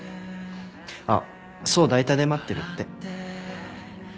あっ想代田で待ってるって。